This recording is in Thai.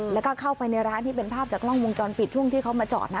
แล้วก็เข้าไปในร้านที่เป็นภาพจากกล้องวงจรปิดช่วงที่เขามาจอดนะ